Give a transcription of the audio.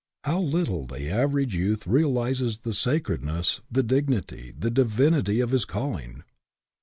How little the average youth realizes the sacredness, the dignity, the divinity of his calling